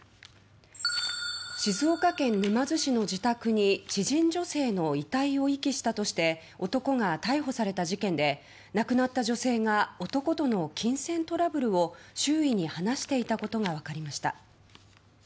静岡県沼津市の自宅に知人女性の遺体を遺棄したとして男が逮捕された事件で亡くなった女性が男との金銭トラブルを周囲に話していたことが分かりました。